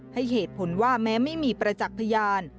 ให้เหตุผลว่าแม้ไม่มีประจักษ์พยาน